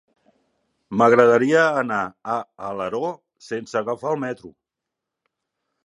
M'agradaria anar a Alaró sense agafar el metro.